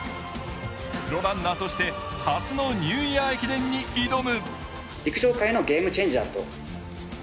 プロランナーとして初のニューイヤー駅伝に挑む。